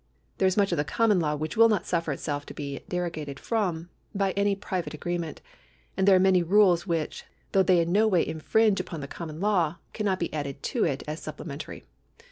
There is much of the common law which will not suffer itself to be derogated from by any private agree ment ; and there are many rules which, though they in no way infringe upon the common law, cannot be added to it as supplementary.